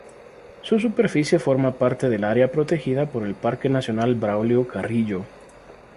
Su superficie forma parte del área protegida por el parque nacional Braulio Carrillo.